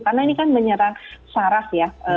karena ini kan menyerang sarah ya